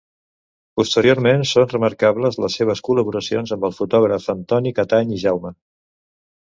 Posteriorment són remarcables les seves col·laboracions amb el fotògraf Antoni Catany i Jaume.